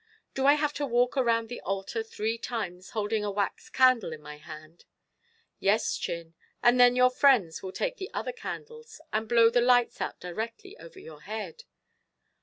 "Do I have to walk around the altar three times, holding a wax candle in my hand?" "Yes, Chin, and then your friends will take the other candles and blow the lights out directly over your head.